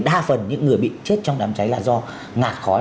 đa phần những người bị chết trong đám cháy là do ngạt khói